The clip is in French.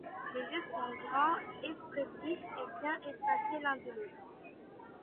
Les yeux sont grands, expressifs et bien espacés l'un de l'autre.